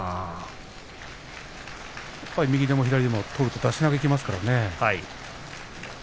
右でも左でも取ると出し投げがきますからね。